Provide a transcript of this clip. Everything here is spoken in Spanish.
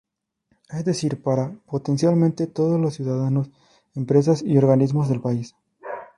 Es decir, para potencialmente todos los ciudadanos, empresas y organismos del país.